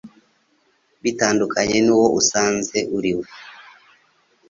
bitandukanye n'uwo usanzwe uri we